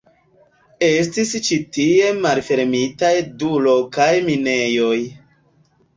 Estis ĉi tie malfermitaj du lokaj minejoj.